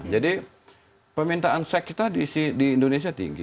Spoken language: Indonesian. jadi permintaan seks kita di indonesia tinggi